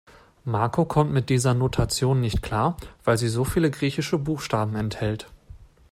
Marco kommt mit dieser Notation nicht klar, weil sie so viele griechische Buchstaben enthält.